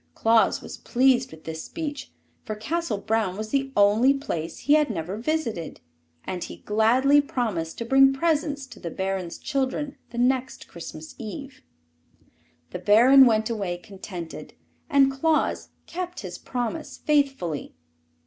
Claus was pleased with this speech, for Castle Braun was the only place he had never visited, and he gladly promised to bring presents to the Baron's children the next Christmas Eve. The Baron went away contented, and Claus kept his promise faithfully.